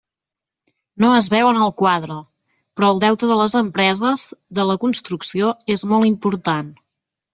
No es veu en el quadre, però el deute de les empreses de la construcció és molt important.